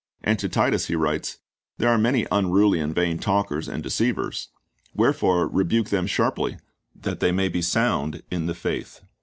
And to Titus he writes, "There are many unruly and vain talkers and deceivers. ... Wherefore rebuke them sharply, that they may be sound in the faith.